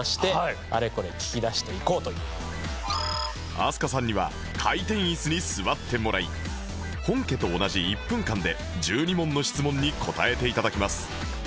飛鳥さんには回転イスに座ってもらい本家と同じ１分間で１２問の質問に答えて頂きます